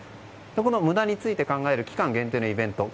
この無駄について考える期間限定のイベントは